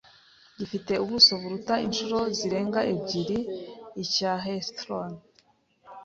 gifite ubuso buruta inshuro zirenga ebyiri icya Heathrow